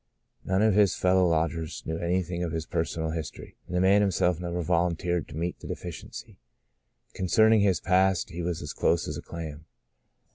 None of his fellow lodgers knew anything of his personal history, and the man himself never volun teered to meet the deficiency. Concerning his past, he was as close as a clam.